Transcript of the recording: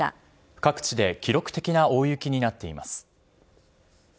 各地で記録的な大雪になっています。